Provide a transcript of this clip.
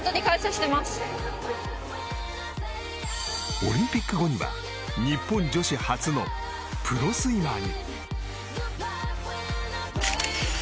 オリンピック後には日本女子初のプロスイマーに。